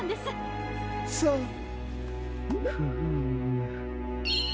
フーム。